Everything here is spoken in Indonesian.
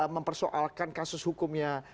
mempersoalkan kasus hukumnya